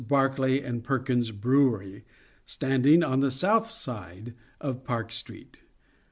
Barclay and Perkins' Brewery, standing on the south side of Park Street.